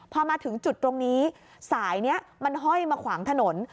พอมาถึงจุดตรงนี้สายนี้มันห้อยมาขวางถนน